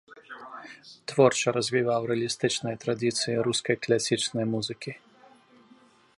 Творча развіваў рэалістычныя традыцыі рускай класічнай музыкі.